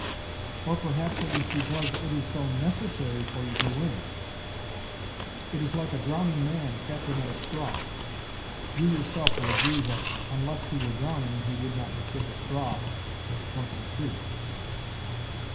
"Or perhaps it is because it is so necessary for you to win. It is like a drowning man catching at a straw. You yourself will agree that, unless he were drowning he would not mistake a straw for the trunk of a tree."